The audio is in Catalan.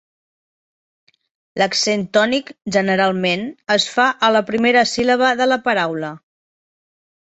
L'accent tònic generalment es fa a la primera síl·laba de la paraula.